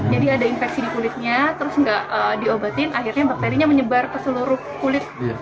jadi ada infeksi di kulitnya terus nggak diobatin akhirnya bakterinya menyebar ke seluruh kulit